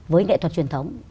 với nghệ thuật truyền thống